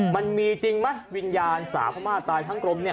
มันมีจริงไหมวิญญาณสาวพม่าตายทั้งกลมเนี่ย